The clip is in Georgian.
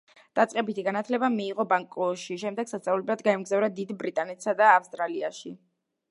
დაწყებითი განათლება მიიღო ბანგკოკში, შემდეგ სასწავლებლად გაემგზავრა დიდ ბრიტანეთსა და ავსტრალიაში.